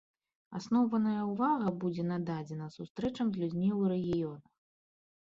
Асноўная ўвага будзе нададзена сустрэчам з людзьмі ў рэгіёнах.